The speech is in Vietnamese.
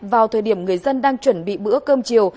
vào thời điểm người dân đang chuẩn bị bữa cơm chiều